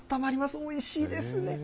おいしいですね。